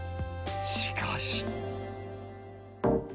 しかし。